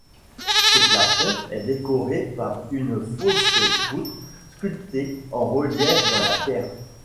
Ce plafond est décoré par une fausse poutre sculptée en relief dans la pierre.